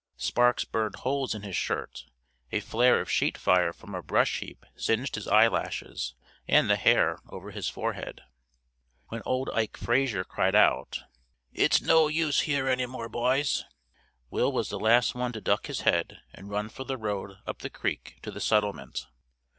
Sparks burned holes in his shirt; a flare of sheet fire from a brush heap singed his eyelashes and the hair over his forehead. When old Ike Frazier cried out, "It's no use here any more, boys!" Will was the last one to duck his head and run for the road up the creek to the settlement.